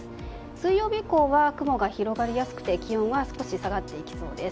水曜日以降は雲が広がりやすくて気温は少し下がっていきそうです。